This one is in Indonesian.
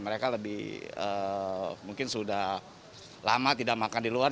mereka lebih mungkin sudah lama tidak makan di luar